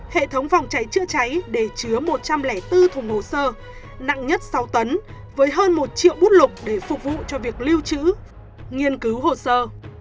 hệ thống phòng cháy chữa cháy đề chứa một trăm linh bốn thùng hồ sơ nặng nhất sáu tấn với hơn một triệu bút lục để phục vụ cho việc lưu trữ nghiên cứu hồ sơ